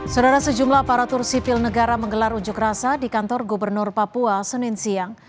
saudara sejumlah aparatur sipil negara menggelar unjuk rasa di kantor gubernur papua senin siang